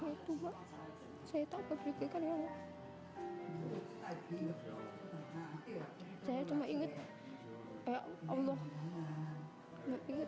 saya cuma ingat allah